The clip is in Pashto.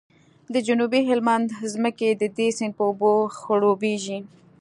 د جنوبي هلمند ځمکې د دې سیند په اوبو خړوبیږي